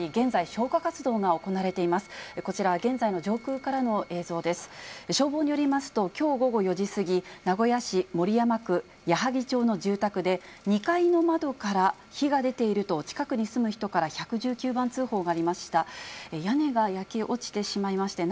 消防によりますと、きょう午後４時過ぎ、名古屋市守山区野萩町の住宅で、２階の窓から火が出ていると、近くに住む人から１１９番通報がありました。